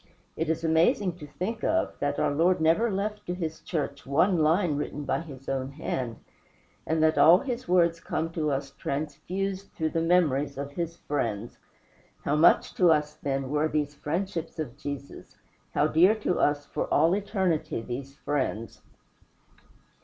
It is amazing to think of, that our Lord never left to his church one line written by his own hand, and that all his words come to us transfused through the memories of his friends. How much to us, then, were these friendships of Jesus how dear to us, for all eternity, these friends!